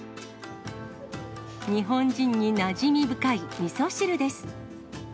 日本人になじみ深いみそ汁です。